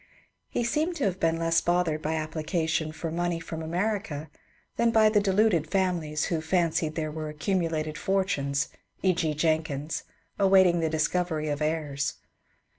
He seemed to have been less both ered by applications for money from America than by the deluded families who fancied there were accumulated fortunes (e. g. Jenkins) awaiting the discovery of heirs.